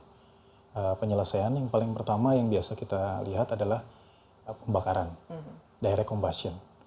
nah penyelesaian yang paling pertama yang biasa kita lihat adalah pembakaran direct combustion